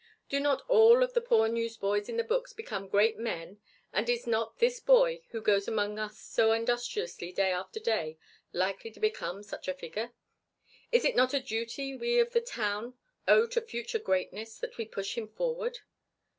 Do not all of the poor newsboys in the books become great men and is not this boy who goes among us so industriously day after day likely to become such a figure? Is it not a duty we of the town owe to future greatness that we push him forward?